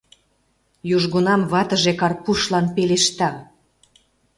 Южгунам ватыже Карпушлан пелешта: